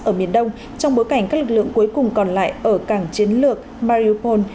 ở miền đông trong bối cảnh các lực lượng cuối cùng còn lại ở cảng chiến lược mariopol